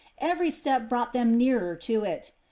Every step brought them nearer to it.